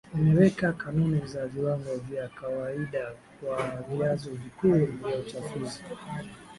imeweka kanuni za viwango vya kawaida kwa vyanzo vikuu vya uchafuzi